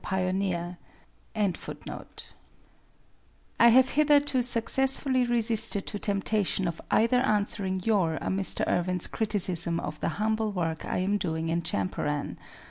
[Pg 30] NATIONAL DRESS I have hitherto successfully resisted to temptation of either answering your or Mr. Irwin's criticism of the humble work I am doing in Champaran.